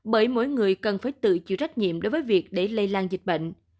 bởi mỗi người cần phải tự chịu trách nhiệm đối với việc để lây lan dịch bệnh